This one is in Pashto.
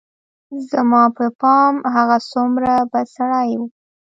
زما په پام هغه څومره بد سړى و.